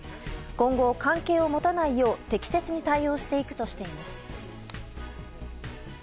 今後、関係を持たないよう適切に対応していくとしています。